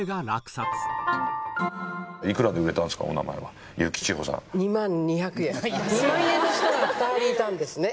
当時六本木で２万円の人が２人いたんですね。